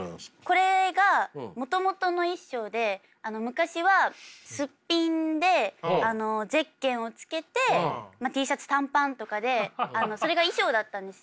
これがもともとの衣装で昔はすっぴんでゼッケンをつけてＴシャツ短パンとかでそれが衣装だったんですよ。